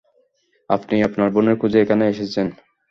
আপনি আপনার বোনের খুঁজে এখানে এসেছেন।